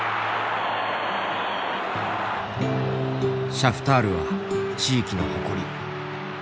「シャフタールは地域の誇り」。